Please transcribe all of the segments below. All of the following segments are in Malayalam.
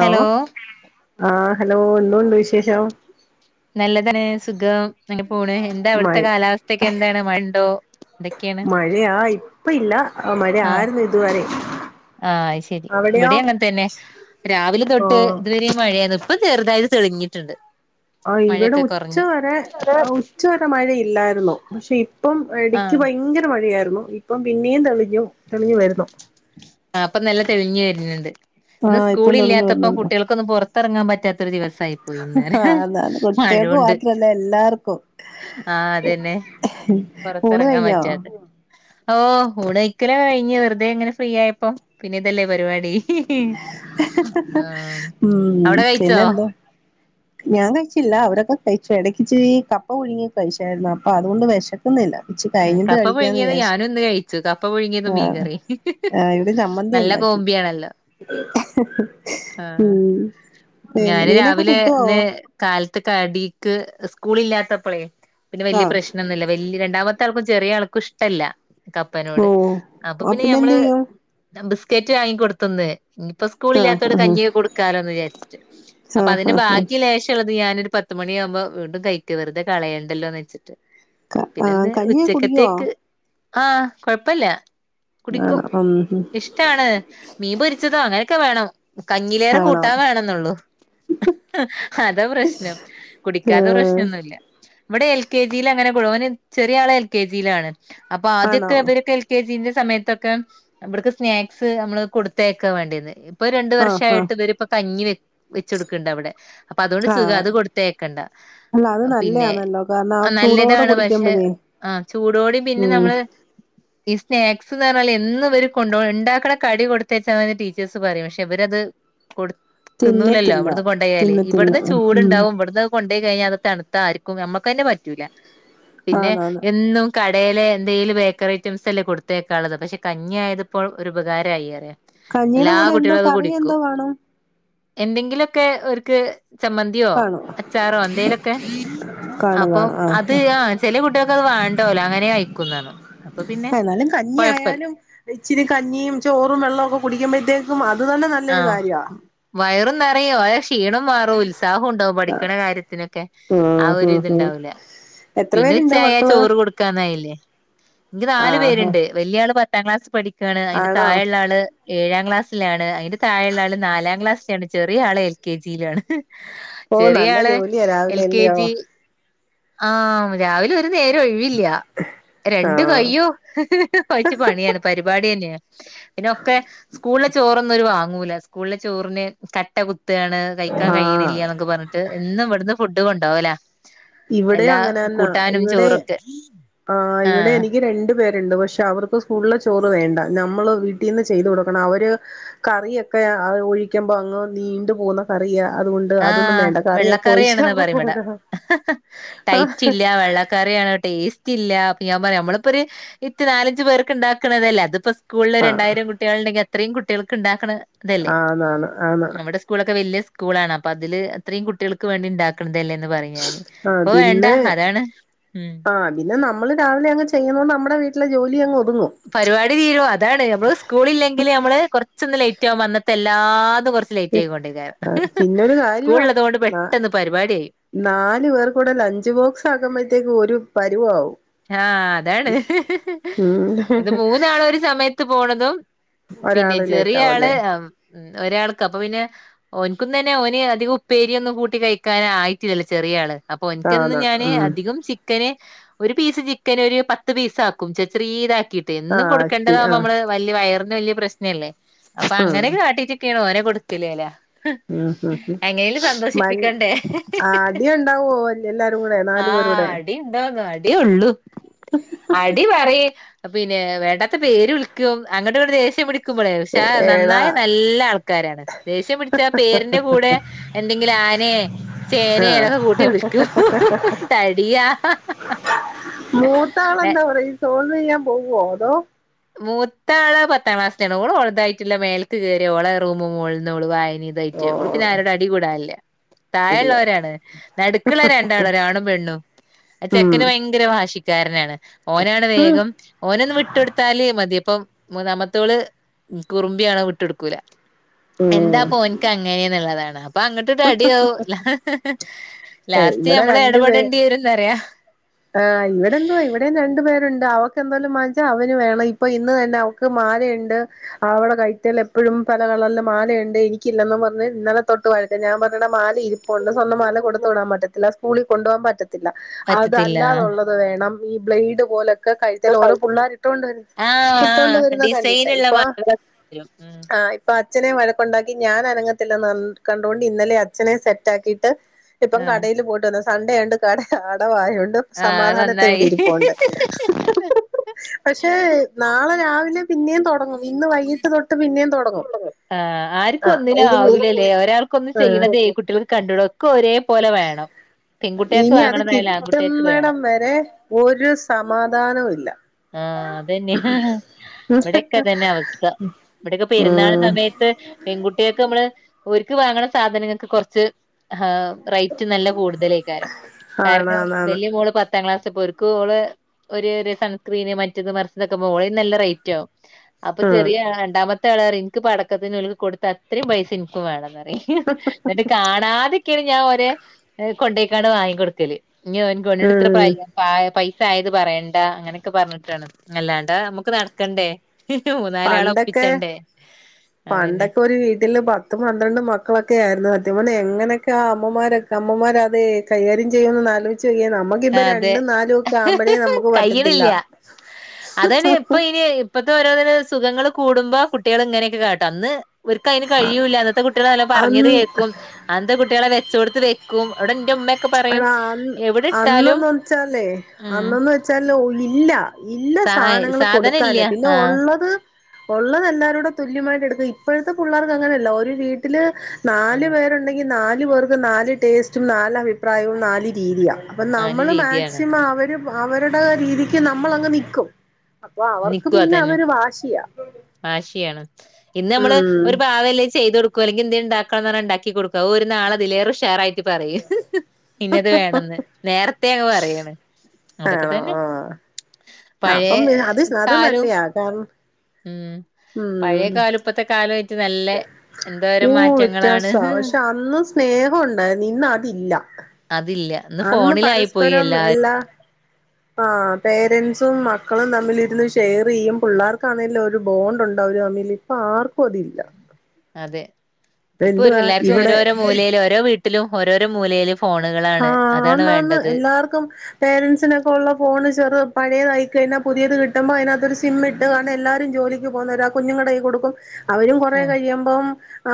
ഹലോ ആഹ് ഹലോ എന്തുണ്ട് വിശേഷം? നല്ലതന്നെ സുഖം. അങ്ങനെ പോണ്. എന്താ മഴ അവിടുത്തെ കാലാവസ്ഥക്കെ എന്താണ് മഴണ്ടോ? എന്തൊക്കെയാണ് മഴയാ ഇപ്പ ഇല്ലാ. ആഹ് മഴ ആരുന്നു ഇതുവരെ ആഹ് ശരി. അവിടെയോ വിടെ അങ്ങൻ തന്നെ രാവിലെ തൊട്ട് ആഹ് ഇതുവരെ മഴ. യേന്നു. ഇപ്പ ചെറുതായിട്ട് തെള്ഞ്ഞ്ട്ട്ണ്ട്. ആഹ് ഇവിടെ ഉച്ചവരെ ഉച്ചവരെ മഴയില്ലായിരുന്നു. പക്ഷെ ഇപ്പം ഇടക്ക് ആഹ് ക്ക് ഭയങ്കര മഴയായിരുന്നു. ഇപ്പം പിന്നെയും തെളിഞ്ഞു തെളിഞ്ഞു വരുന്നു. ആഹ് പ്പം നല്ല തെളിഞ്ഞു വരുന്നുണ്ട്. ഇന്ന് ആഹ് ഇപ്പം തെളിഞ്ഞു സ്കൂളില്ലാത്തപ്പം വരുന്നുണ്ട് കുട്ടികൾക്കൊന്നും പുറത്തിറങ്ങാൻ പറ്റാത്ത ഒരു ദിവസ് സായി പോയിന്നറിയ. അതാണ് കുട്ടികൾക്ക് മഴൊണ്ട് മാത്രല്ല എല്ലാർക്കും ആഹ് അതെന്നെ ഊണ് പൊറത്തെങ്ങാൻ കഴിഞ്ഞോ പറ്റാതെ ഓഹ് ഊണയിക്കാലൊക്കെ കിഞ്ഞ് വെറുതേ ഇങ്ങനെ ഫ്രീ ആയപ്പൊ പിന്നെ ഇതല്ലേ പരിപാടി ആഹ് ഉം അവിടെ കഴിച്ചോ പിന്നെന്താ ഞാൻ കഴിച്ചില്ല അവരൊക്കെ കഴിച്ചു എടക്കി കപ്പ പുഴുങ്ങി കഴിച്ചായിരുന്നു അപ്പൊ അതുകൊണ്ട് വെശക്കുന്നില്ല കപ്പ പുഴുങ്ങിയത് ഞാനും ഇന്ന് കഴിച്ചു കപ്പ പുഴുങ്ങിയത് ആഹ് മീൻകറി ആഹ് ഇവിടെ ചമ്മന്തി നല്ല കോ ഉണ്ടാക്കി കോമ്പിയാണല്ലോ ആഹ് ഉം പിന്നെ മീനൊക്കെ കിട്ടോ പിന്ന കാൽത്ത് കടീക്ക് സ്കൂള് ഇല്ലാത്തപ്പളേ പിന്നെ വല്ല്യ ആഹ് പ്രശ്നൊന്നുല്ല വല്ല്യ രണ്ടാമത്തെ ആൾക്കും ചെറിയ ആൾക്കും ഇഷ്ടല്ല ഓ കപ്പനോട് അപ്പൊ ആ പിന്നെ എന്ത് ഞമ്മള് ചെയ്യും ബിസ്കറ്റ് വാങ്ങിക്കൊടുത്തുന്ന് ഉം ഇപ്പോ സ്കൂള് ആഹ് ഇല്ലാത്തോണ്ട് ആഹ് കഞ്ഞി കൊടുക്കാലോന്ന് വിചാരിച്ചിട്ട് അപ്പൊ ആഹ് അതിന്റെ ആഹ് ബാക്കി ലേശള്ളത് ഞാനൊരു പത്ത് മണിയാകുമ്പോ വീണ്ടും കൈക്കേ വെറുതെളയേണ്ടല്ലോന്ന് വെച്ചിട്ട് ക ആഹ് കഞ്ഞി ഒ [unintelligible] ക്കത്തേക്ക് ആഹ് കൊഴ്പ്പല്ല കുടിക്കും ആണോ ഉം ഉം ഇഷ്ടാണ് മീം പൊരിച്ചതോ അങ്ങനെയൊക്കെ വേണം കഞ്ഞിലേറെ ആണോ കൂട്ടാൻ വേണന്നൊള്ളു അതാ പ്രശ്നം കുടിക്കാത്ത ഏഹ് പ്രശ്നൊന്നുല്ലാ ഇവിടെ എൽ കെ ജിയിൽ അങ്ങനെ കൊടു ഓന് ചെറിയ ആളെ എൽ കെ ജിയിലാണ് അപ്പൊ ആണോ ആദ്യൊക്കെ ഇവരൊക്കെ എൽ കെ ജിന്റെ സമയത്തൊക്കെ ഇബട്ക്ക് സ്നാക്സ് നമ്മള് കൊടുത്തയക്കാ വേണ്ടിന്ന് ഇപ്പൊ രണ്ട് ആഹ് ആഹ് വർഷായിട്ട് ഇവര് ഇപ്പ കഞ്ഞി വെച്ച് കൊടുക്ക്ണ്ട് അവിടെ അപ്പൊ അതുകൊണ്ട് സുഖം ആഹ് അത് കൊടുത്തയക്കണ്ട അല്ല അത് പിന്നെ നല്ലയാണല്ലോ കാരണം ആ ചൂടോടെ നല്ലതാണ് പക്ഷേ കുടിക്കുമ്പോഴേ ആഹ് ചൂടോടിം പിന്നെ ഉം നമ്മള് ഈ സ്നാക്സ്ന്നർഞ്ഞാലേ എന്നും ഇവര് കൊണ്ടോവ് ഉണ്ടാക്കണ കടി കൊടുത്തച്ചാമതീന്ന് ടീച്ചേഴ്സ് പറയും പക്ഷേ ഇവരത് കൊട് തിന്നൂലല്ലോ തിന്നത്തില്ല ഇവട്ന്ന് കൊണ്ടോയാല് തിന്നത്തില്ല ഇബട്ന്ന് ഉം ചൂടുണ്ടാവും ഇബട്ന്നത് കൊ ണ്ടോയി കഴിഞ്ഞാ അത് തണുത്താ ആര്ക്കും നമ്മുക്കന്നെ പറ്റൂല പിന്നെ ആന്നാന്ന് എന്നും കടലെ എന്തെലും ബേക്കറി ഐറ്റംസ് അല്ലേ കൊടുത്തേക്കാള്ളത് പക്ഷെ കഞ്ഞി ആയതിപ്പോൾ ഒരുപകാരമായി അറിയ കഞ്ഞിയുടെ എല്ലാ കൂടെ എന്തോ കുട്ടികളും അത് കറി എന്തോ കുടിക്കും കാണും എന്തെങ്കിലും ഒക്കെ ഓല്ക് ചമ്മന്തിയോ കാണും അച്ചാറോ എന്തേലൊക്കെ കാണും അപ്പൊ കാണും ആ അത് ആഹ് ചെല കുട്ട ത് വേണ്ടല്ലോ അങ്ങനെ കയിക്കുന്ന ർഞ്ഞു അപ്പ ആഹ് എന്നാലും കഞ്ഞി ആയാലും ഇച്ചിരി കഞ്ഞിയും ചോറും വെള്ളക്കെ കുടിക്കുമ്പോഴത്തേക്കും അ അത് തന്നെ നല്ലൊരു ആഹ് കാര്യ വയറും നിറയും അയ് ശ് ക്ഷീണും മാറും ഉത്സാഹം ഉണ്ടാവും ആ പഠിക്കണ കാര്യത്തിനൊക്കെ ആ ഉം ഒരു ഉം ഉം ഇതുണ്ടാവുല്ല എത്ര പിന്നെ പേരുണ്ട് ഉച്ചായ മക്കള് ചോറ് കൊടുക്കാനായില്ലേ ഇന്ക്ക് നാല് ആഹ് പേര്ണ്ട് വല്ല്യ ആള് പത്താം ക്ലാസ് പഠിക്കാണ് അയിന്റെ ആണോ താഴ ഇള്ള ആള് ഏഴാം ക്ലാസ്സിലാണ് അയിന്റെ താഴെള്ള ആള് നാലാം ക്ലാസ്സിലാണ് ചെറിയ ആള് എൽ കെ ജി ലാണ് ഓ ചെറിയ നല്ല ആള് ജോലിയാ എൽ രാവിലെ കെ അല്ലയോ ജി ആഹ് രാവിലെ അത് നേരം ഒഴിവില്ല രണ്ട് ആഹ് കയ്യോ കുയച്ച് പണിയാണ് പരിപാടിയന്നെ പിന്നോക്കെ സ്കൂളിലെ ചോറൊന്നും ഒരു വാങ്ങൂല സ്കൂളിലെ ചോറിന് കട്ട കു ത്താണ് കഴിക്കാൻ ആഹ് കയിണില്ല എന്നൊക്കെ പറഞ്ഞിട്ട് എന്നും ഇവിടുന്ന് ഫുഡ് കൊണ്ടോകല ഇവിടെ അങ്ങനെന്നാ ഇവിടെ ആ ഇവിടെ ആഹ് എനിക്ക് രണ്ട ണ്ട് പക്ഷെ അവർക്ക് സ്കൂ ചോറ് വേണ്ട നമ്മൾ വീട്ടിൽന്ന് ചെയ്ത് കൊടുക്കണം അവ കറൊെ ഒഴിക്കുമ്പോ അങ്ങ് നീണ്ടു പോകുന്നക്കറിയാ ആഹ വെള്ളക്കറിയണെന്നാ അവിടെ പറയ്പടാ കിടക്കണം ടൈറ്റ്ല്ല വെള്ളക്കറി ടേസ്റ്റ് ഇല്ല ഞാൻ പറയാ നമ്മളിപ്പോൊ ഒരു ഇ നാലഞ്ച പേർക്ക് ഉണ്ടാക്കണതല്ലേ അത് സ്കൂളില് ആഹ് രണ്ടായിരം കുട്ടികള ഉണ്ടെങ്കിൽത്രയും കുട്ടികൾക്ക് ഉണ്ടാക്കാണ് അതല്ലേ ആന്നാന്ന് ആന്ന് നമ്മടെ സ്കൂളൊക്കെ വലിയ സ്കൂളാണ് അപ്പ അല് അത്രയും കുട്ടികൾക്ക് വേണ്ടി ഉണ്ടാക്കണ്ടതല്ല ആഹ പിന്നെ ഉം ആഹ പിന്നെ നമ്മള് രാവിലെ അങ്ങങ് ചെയ്യുന്നത്ണ്ട് നമ്മുടെ വീട്ടിൽ ജോലി അും പരിപാടി തീരുും അതാണ് നമ്മള് സ്കൂള ഇല്ലെങ്കിൽ നമ്മള് കൊറച്ചൊന്ന് ലേറ്റ് ആക വന്നത്തെ എല്ലാ കുറച്ച് ലേറ്റ് ആയിൊണ്ടിരിക്ക പിന്നൊരു സ്കൂളള്ളത് കൊൊണ്ട് പെട്ടെന്ന് പരിപാടി ആായി നാലല് പേർ കൂടെ ലഞ്ച് ബോക്സ് ആകുമ്പോഴത്തേക്ക്ും ഒരു പരുവവും ആഹ അതാണ് ഉം ഇത് മൂന്നാള ഒരു സമയത്ത് പോണതും പിന്നെ ഒരാള് ലേറ്റ് ചെറിയ ആള് ആവുല്ലേ ഉ ഒരാൾക്ക് അപ്പൊ പിന്നെ ഓനിക്കൊന്ന തന്നെ ഓന് അധികം ഉപ്പേരിയൊന്നും കൂട്ടി കഴിക്കാന ആയിട്ടില്ലല്ലോ ചെറിയള് അപ്പൊ എനിിക്കന്ന് ആന്ന് ഞാന് ഉം അധികം ചിക്കന് ഒരു പീസ് ചിക്കൻ ഒരു പത്ത് പീസ് ആാക്കും ചെറ ഇതാക്കിയിട്ട് എന്നും ആഹ് അട്ടി കൊടുക്കേണ്ടതാവകുമ്പൾ ആഹ് നമ്മള് വലിയ വയർ വലിയ പ്രശ്നല്ലേ അപ്പൊ ഉം അങ്ങനെെ കാട്ടീട്ട്ീണോ ഓനെ കൊടുത്തില്ലേ അല്ല ഉം ഉം ഉം എങ്ങനെിലും മൻ സന്തോഷിപ്പിക്കണ്ടേ അടി ഉണ്ടാവോ എല്ലാരും കൂടെ നാലു പേരൂടെ ആടി ബഗാടി അടി ഉള്ളു അടി പറയ പിന്നെ വേണ്ടാത്ത പേര് വിളിക്കോ അങ്ങട്ട ഒരു ദേഷം പി ുമ്പോ പക്ഷെ ഏടാ നന്നായി നല്ല ആൾക്കാരാണ് ദേഷ്യം പിടിച്ച പേരിന്റെ കൂടെ എന്തെങ്കില ഞാനേ ആഹ് ചേനനൊക്കെ കൂട്ടി വിളിക്കൂ തടിയാ മൂത്താളെ എന്താ പറ സോൾന്ന് ചെയ്യാൻ പോവോ അതോ മൂത്ത ആള് പത്താം ക്ലാസ്സാണ് കൂടെ ഉളുതായിട്ടുള്ള മേൽക്ക് കയറിിയോള റൂമ് മു ഇതായിട്ട് ഉ പിന്നെ ഓഹ് ആരുടെ അടി കൂടല്ലേ താഴ ഇല്ല ഉുള്ളവരാണ് നടുക്കുള്ള രണ്ടാളരാണും പെണ്ണും അ ഉം ചെക്കന് ഭയങ്കര ഭാഷ ാരനാണ് ഓനാണ് ഉം വേഗം ഓന ഒന്നന്ന് വിട്ടടു മതി അപ്പം മൂന്നാമത്തോള് കുറുമ്പിയ ആണോ വിട്ട എടുക്കൂല എന്താ ഉം പോ എനിക്ക് അങ്ങനെയന്നുള്ളതാണ് അപ്പൊ അങ്ങട്ടട്ട് അടിയാവ ലാസ്റ്റ് നഞമ്മള ഇടപെടേണ്ടി വരുംന്ന്റിയ ആ് ഇവിടെന്തോ ഇവിടെന്ന് രണ്ടു പേരുണ്ട് അവക്ക് എന്തലും വങ്ങിച്ച അവന് വേണം ഇപ്പ ഇന്ന് തന്നെ അവക്ക് മരുണ്ട് അവവിടെ കഴറ്റൽ എപ്പോഴും പല കളറില്ും മാലയുണ്ട് എനിക്കില്ലന്നന്ന് പറഞ്ഞ ഇന്നലെ തൊട്ട് വഴ ഞാൻഞ്ഞട്ട മാല ഇപ്പ ഉണ്ട് സ്വംമാാല കൊടുത്ത് വിടാൻ പറ്റത്തില്ല സ്കൂളിൽ കൊണ്ട പോകാൻ പറ്റത്തി പറ്റത്തില്ല അതല്ലാന്നുള്ളത് വേണം ഈ ബ്ലെയഡ് പോലെ കഴിച്ചാൽ ഓരോ പിള്ളേരി ആഹ് ഇട്ടൊണ്ട്ട്ടോണ്ട് ആഹ് വരുന്ന കണ്ടിട്ട് ഡിസൈനുള്ള ഇപ്പൊ മാല വരും ഉം ആ ഇപ്പൊ അച്ഛനെ വഴക്കുണ്ടാക്കി ഞാൻ അനങ്ങത്തില്ല കണ്ടുകൊണ്ട് ഇന്നലെ അച്ഛനെ സെറ്റാക്കി് ് ഇപ്പം ആഹ് കടൽ പോയിട്ട് വന്ന സൺണ്ടേണ്ട് കട അടവായ ണ്ട് ആഹ് സമാധാനത്തെ എവിടെ നന്നായി ഇരിപ്പോണ്ട് പക്ഷെ നാളെ രാവിലെ പിന്നെയും തുടങ്ങും ഇന്ന് വൈകിട്ട് തൊട്ട് പിന്നെയും തുടങ്ങും ആഹ ആർക്കും ആഹ് ഒന്നിനും ഇത് ആവൂലല്ലേ ഒരാർക്ക ഒ ആഹ് ചെയ്യണതേ കുട്ടികൾ കണ്ടട ഒക്കെ ഒരേ പോോലെ വേണം പെൺകുട്ടികൾക്ക് ഇനി അത് വാങ്ങണതായാലും ആൺകുട്ടികൾക്ക് വേണം കിട്ടുന്നിടം വരെ ഒരു സമാധാനവും ഇല്ല ആഹ അതന്നെയ മടക്ക തന്നെ അവസ്ഥ ഇവിടെൊക്കെ പെരുന്നാൾ ഉം സമയത്ത് പെൺകുട്ടിയൊക്കെ നമ്മള് ഒരുക്ക് വാങ്ങണ സാധനങ്ങൾക്ക് കുറച്ച് ആഹ റേറ്റ് നല്ല കൂടുതലായി കാരം കാരണം ആണാന്നാണ് വലിയ മോള് പ പത്താം ക്ലാസ്സിൽ പോർക്ക് ഓള് ഒരു സൺസ്ക്രീന് മറ്റത് മറച്ചതൊക്കെ്പോ ഓ നല്ലറേറ്റ് ആകും അപ്പൊ ഉം ചെറിയ രണ്ടാമത്തെ ആൾുകാർ എനിക്ക് പടക്കത്തിനന് കൊടുത്ത അത്രയും പൈസ എനിക്കും വേണം എന്നിട്ട് കാണാതൊക്കെയാണ് ഞാൻ ഒരേ കൊണ്ടേക്കാണ് വാങ്ങിിക്കൊടുത്തല് ഇനിക്ക്ോണട് ഇത്ര ഉം പ്രായ പൈസ ആയത് പറയേണ്ട അങ്ങനെ െ പറഞ്ഞിട്ടാണ് അല്ലാണ്ടാ നമുക്ക് നടക്കണ്ടേ മൂന്നാല ആളെ പണ്ടൊക്കെ ഒപ്പിച്ചണ്ടേ അതന്നെ പണ്ടൊക്കെ ഒരു വീട്ടില് പത്തും പന്ത്രണ്ടും മക്കളൊക്കെ ആയിരുന്നു അ െ എങ്ങനെയൊക്കെ ആ അമ്മമാരെ അമ്മമാർ അത കൈകാര്യം ചെയ്യുമന്ന് ആലോചിച്ച നമുക്കിപ്പ അതെ രണ്ടും നാലും ഒക്കെ ആവുമ്പോഴേ നമുക്ക് പറ്റത്തില്ല അതെ ഇപ്പൊ ഇനി ഇപ്പത്തെ ഓരോ സുഖങ്ങൾ കൂടുമ്പോ കുട്ടികൾ ഇങ്ങനെയൊക്കെ കാട്ടും അന്ന് ഒക്ക് അതിന് കഴിയൂല്ല അന്നത്തെ കുട്ടികളെ നല്ല പറഞ്ഞത് അന്ന് കേൾക്കും അന്നത്തെ കുട്ടികളെ വെച്ച കൊടുത്ത് വെക്കും ഇവിടെ എന്റെ ഉമ്മയൊക്കെ പറയും എവിടെ ഇട്ടാലും അന്നന്ന വെച്ചാലേ ഉം അന്നന്ന് വെച്ചാൽ ഇല്ല ഇല്ല സാ സാധനങ്ങള്ൾ സാധനം ഇല്ല കൊടുക്കാന് പിന്നെ ആഹ് ഉള്ളത് ഉള്ളത് എല്ലാരൂടെ തുല്യമായിട്ട് എടുക്ക ഇപ്പോഴത്തെ പിള്ളേർക്ക് അങ്ങനെയല്ല ഒരു വീട്ടില് നാലു ആഹ് പേരുണ്ടെങ്കിൽ നാല് പേർക്ക് നാല് ടേസ്റ്റും നാല അഭിപ്രായവും നാല് രീതിയ അപ്പൊ ആന്റെ നമ്മള് രീതിയാണ് മാക്സിമം അവര് അവരുടെ രീതിക്ക് നമ്മൾ അങ്ങ് നിക്കും അപ്പൊ അവർക്ക് നിക്കും പിന്നെ അതന്നെ അതൊരു വാശിയാ വാശിയാണ് ഇന്ന് നമ്മള് ഉം ഒരു പാവല്ലേ ചെയ്ത് കൊടുക്ക കുല്ലെങ്ക [unintelligible] എന്ത് ഉണ്ടാക്ക പറെ ഉണ്ടാക്കി കൊടുക്ക ഒരുനാൾ അതിലേ ഉഷാറായി പറയു ഇന്നത് വേണെന്ന് നേരത്തെ അങ്ങ് പറയാണ് അതൊക്കെ ആണോ തന്നെ ആ പഴയ അപ്പം അത് അത് കാലും നല്ലയാ കാരണം ഉം പഴയ ഉം കാലം ഇപ്പത്തെ കാലമായിട്ട് നല്ല എന്തോരം ഓ മാറ്റങ്ങളാണ് വ്യത്യാസ പക്ഷെ അന്ന് സ്നേഹം ഉണ്ടായി നിന്ന അതില്ല അതില്ല ഇന്ന് അന്ന് ഫോണിലായിപ്പോയി എല്ലാരും ആ പേരൻറ്സും മക്കളും തമ്മിലിരുന്ന് ഷെയർ ചെയ്യും പിള്ളേർക്ക്ങ്കലും ഒരു ബോണ്ട് ഉണ്ടാവ തമ ഇപ്പൊ ആർക്കും അതില്ല അതെ ഇപ്പൊ ഒരു എന്തുവാ എല്ലാവർക്കും ഇവിടെ ഓരോരോ മൂലയിലും ഓരോ വീട്ടിലും ഓരോരോ മൂലയിലും ആഹ അന്നന്ന് എല്ലാർക്കും പേരൻറ്സിനൊക്കെ ഉള്ള ഫോണ് ചെറു പഴയതയി കഴിഞ്ഞ പുതിയത് കിട്ടുമ്പോ അതിനകൊരു സിം ഇട്ട കാര എല്ലാരും ജോലിക്ക് പോകുന്ന ഒരു ആ കുഞ്ഞു കയ്ക്ക് കൊടുക്കും അവരും കൊറേ ആ കഴിയുമ്പം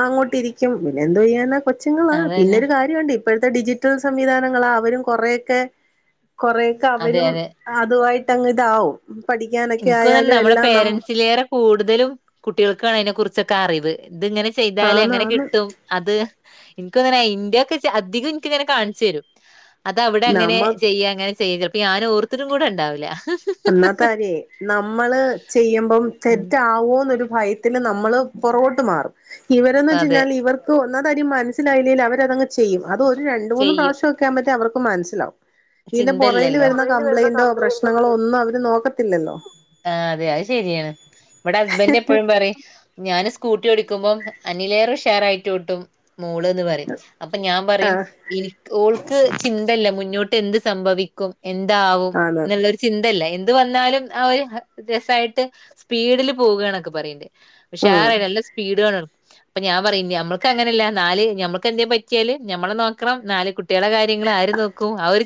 അങ്ങോട്ട് ഇരിക്കും പിന്നെ എന് ചെയെയ്യന്ന കൊച്ചങ്ങളാ അതന്നെ പിന്നെൊരു കാര്യംണ്ട് ഇപ്പോഴത്തെ ഡിജിറ്റൽ സംവിധാനങ്ങളാ അവരും കുറെൊക്കെ കൊറെേയൊക്കെ അതെ അവരും അതെ അതുയിട്ട്ങ്ങ് ഇതാവും പഠിക്കാനൊക്കെ എനക്ക് തന്ന ആയാലും നമ്മളുടെ എല്ലാം നം പേരൻറ്സിലേറെ കൂടുതലും കുട്ടികൾക്കാണ് അതിനെ കുറിച്ചൊക്കെ അറിവ് ഇത്ങ്ങനെ ചെയ്താല് എങ്ങനെ ആന്നാന്ന് കിട്ടും അത് എനിക്കൊന്നന ഇന്ത്യ ഒക്കെ അധികം എനിക്കിങ്ങനെ കാണിച്ചു വരും അത അവിടെ അങ്ങനെ നമ്മ ചെയ്യ അങ്ങനെ ചെയ്യ ചിലപ്പ ഞാന ഓർത്തരും കൂടെ ഉണ്ടാവില്ല അന്നാത്തെ കാര്യേ നമ്മള് ചെയ്യുമ്പം തെറ്റാവുമ ഭയത്തിൽ നമ്മള് പൊറകോട്ട് മാറും ഇവരന്ന് വെച്ച അതെ കഴിഞ്ഞാൽ ഇവർക്ക് അന്നത്ാര്ം മനസ്സിലായില്ലേങ്ക അവര അങ്ങങ് ചെയ്യും അത് ഒരു രണ്ട് മൂന്ന് ചെയ്യ പ്രാവിശ്യം ആകുമ്പോൾ അവർക്ക് മനസ്സിലാവും ഇതിന്റെ പുറൽ ചിന്തല്ലല്ലോ വരുന്ന പുറകിൽ കംപ്ലൈയിന്റോ കംപ്ലൈന്റും പ്രശ്നങ്ങളോ ഒന്നും അവര് നോക്കത്തില്ലല്ലോ ആ അതെ അത് ശരിയാണ് ഇവിടെ ഹസ്ബൻഡറ് എപ്പോഴും പറയും ഞാന് സ്കൂട്ടി ടിക്കുമ്പോം അനിലേറ ഷെയർ ആയിട്ട് വിട്ടും മോള്ന്ന് പറയും അപ്പൊ ഞാൻ ആഹ് പറയുംനി ഓൾക്ക് ചിന്തല്ല മുന്നോട്ട് എന്ത് സംഭവിക്കും എന്താവും ആണ് എന്നുള്ള ചിന്തല്ല ഇത് വന്നാലും ആ ഒരു രസമായിട്ട് സ്പീഡിൽ പോകുകണൊക്കെ പറയണ്ട് പക്ഷെ ആ ഉം നല്ല സ്പീഡ് വേണം അപ്പൊ ഞാൻ പറയും നമ്മക്ക് അങ്ങനല്ല നാല് നമ്മക്ക് എന്താ പറ്റിയല് നമ്മളെ നോക്കണം നാല് കുട്ടികള കാര്യം ആര് നോക്കും അവര്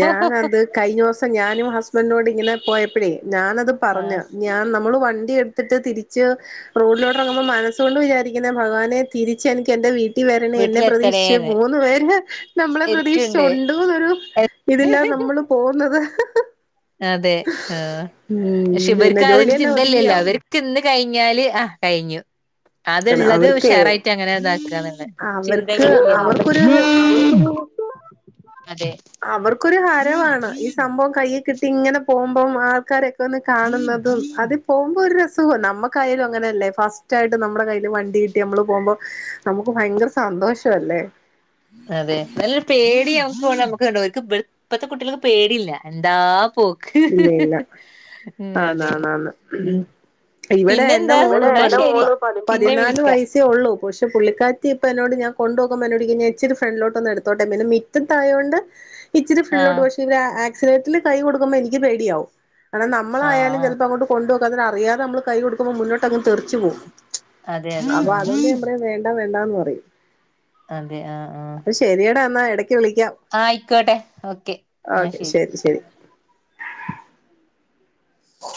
ഞാൻ അത് കഴിഞ്ഞ ദിവസം ഞാനും ഹസ്ബൻഡും ഇങ്ങനെ പോയപ്പഴേ ഞാനത് ആ പറഞ്ഞ ഞാൻ നമ്മൾ വണ്ട എടുട്ട് തിരിച്ച് റോഡിലോട്ടറങ്ങുമ്പോ മനസ്സ് കൊണ്ട് വിചാരിക്കുന്ന ഭഗവാനെ തിരിച്ച് എനിക്ക് എന്റെ വീട്ടിൽ വരണേ എന്നെ പ്രതീക്ഷിച്ച് വീട്ടിലെത്തണേന്ന് മൂന്നു പേര് നമ്മളെ പ്രതീക്ഷ ഇരിക്ക്ണ്ട് ഉണ്ടന്നൊരു ഇതില്ലാ നമ്മള് പോകുന്നത് അതെ ആ ഉം പക്ഷെ പിന്നെ ഇവർക്ക് ആ ഒരു ജോലിയെല്ലാം ചിന്തല്ലല്ലോ ഒതുങ്ങിയോ അവർക്ക് കഴിഞ്ഞാല് ആഹ് കഴിഞ്ഞു അതള്ളത് അവർക്ക് ഷെയറായിട്ട് അങ്ങനെ ഇതാക്കന്ന അവർക്ക് ചിന്തകള അവർക്കൊരു അവർക്കൊരു ഹരവാണ് ഈ സംഭവം കയ്യൽ കിട്ടി ഇങ്ങനെ പോകുമ്പം ആൾക്കാരൊക്കെ കാണുന്നതും അതി പോകുമ്പോ ഒരു ുഖ നമ്മക്കായാലും അങ്ങനെല്ലേ ഫസ്റ്റ് ആയിട്ട് നമ്മ കയ്ൽ വണ്ടി കട്ടി നമ്മള് പോകുമ്പോ നമുക്ക് ഭയങ്കര സന്തോഷ അല്ലേ അതെ നല്ലൊരു പേടിയാവ നമുക്ക്ക്ക് ഇ ഇപ്പഴത്തെ കുട്ടികൾക്ക്െ പേടല്ല എന്താ പോ ഇല്ല ഇല്ല ആ അതെ നാനന്ന് ഇവിടെ എൻന്റെ പിന്നെന്താ മോള് എന്നാ പതി ശരി പിന്നെ പതിനാല് വിളിക്ക വയസ്സേ ഉള്ളു പക്ഷെ പുള്ളിക്കാറ്റ്ി ഇപ്പ എന്നോട് ഞാൻ കൊുപോകുമോോടിക്ക ഞാൻച്ചിരി ഫ്രണ്ടിലോട്ടൊന്ന്ടുത്തോട്ടെ പിന്നെറ്റും തായോണ്ട് ഇച്ചിരി ഫ്രണ്ടിലോട്ട് ആഹ് പക്ഷെ ഇ ആക്സിഡന്റ്റൽ കൈ കൊടുക്കുമ്പോൾ എനിക്ക് പേടിയാവും കാരണം നമ്മളായാലും ആഹ് ചപ്പപ്പോ അങ്ങോ് കൊുപോക്ക അറിയതെ നമ്മള്ൈ കൊടുക്കുമോൾ മോ് അങ് തറിച്ചച്ച് പോകും അതെ അതെ അപ്പൊ അതുകൊണ്ട് ആഹ് ഞൻ പറയാ വേണ്ട വേണ്ടന്ന് പറയും അതെ ആഹ ആഹ അപ്പൊ ശരിയെടാ എന്നാ എടക്ക് വിളിക്കാം ആഹ ആയിക്കോട്ടെ ഓക്കെ എന്ന ഓക്കെ ശെരി ശരി ശരി